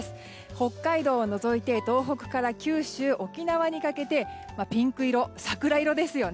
北海道を除いて東北から九州、沖縄にかけてピンク色、桜色ですよね。